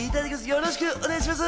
よろしくお願いします。